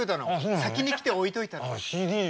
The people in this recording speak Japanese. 先に来て置いといたの！